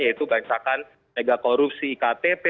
yaitu gansakan megakorupsi iktp